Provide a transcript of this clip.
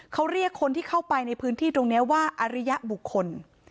เขาเรียกคนที่เข้าไปในพื้นที่ตรงนี้ว่าอริยบุคคล